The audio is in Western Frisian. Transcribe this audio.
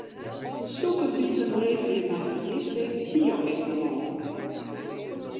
Sûkerbiten leverje nei fergisting bio-etanol.